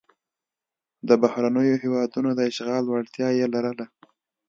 د بهرنیو هېوادونو د اشغال وړتیا یې لرله.